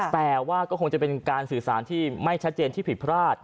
แต่ว่าก็คงจะเป็นการสื่อสารที่ไม่ชัดเจนที่ผิดพลาด